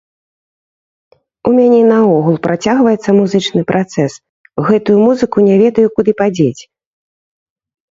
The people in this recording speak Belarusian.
У мяне наогул працягваецца музычны працэс, гэтую музыку не ведаю, куды падзець.